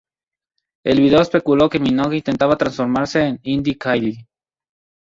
El video especuló que Minogue intentaba transformarse en ""Indie-Kylie"".